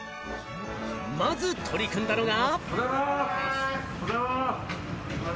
まず取り組んだのが。